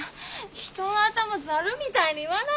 人の頭ザルみたいに言わないでよ。